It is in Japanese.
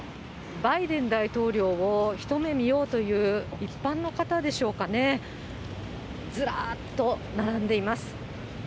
バイデン大統領を一目見ようという一般の方でしょうかね、ずらっと並んでいます。